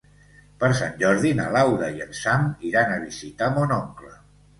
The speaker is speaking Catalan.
Per Sant Jordi na Laura i en Sam iran a visitar mon oncle.